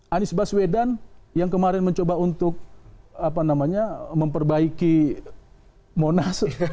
anies baswedan yang kemarin mencoba untuk memperbaiki monas